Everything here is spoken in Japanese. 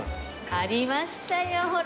ありましたよほら。